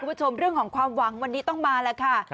คุณผู้ชมเรื่องของความหวังวันนี้ต้องมาแล้วค่ะ